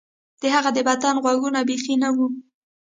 د هغه د بدن غوږونه بیخي نه وو